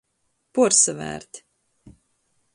Puorsavērt.